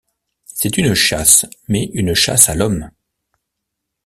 C’est une chasse, mais une chasse à l’homme!